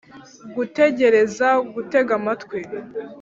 gutegereza - gutega amatwi…